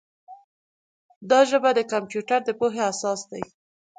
دا ژبه د کمپیوټر د پوهې اساس دی.